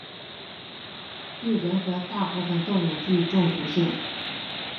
对人和大部分动物具中毒性。